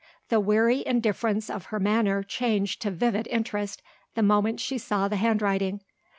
The weary indifference of her manner changed to vivid interest, the moment she saw the handwriting.